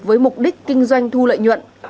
với mục đích kinh doanh thu lợi nhuận